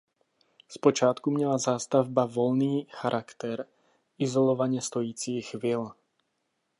Zpočátku měla zástavba volný charakter izolovaně stojících vil.